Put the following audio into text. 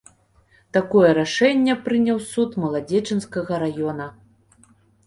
Такое рашэнне прыняў суд маладзечанскага раёна.